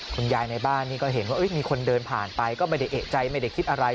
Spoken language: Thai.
ในบ้านนี่ก็เห็นว่ามีคนเดินผ่านไปก็ไม่ได้เอกใจไม่ได้คิดอะไร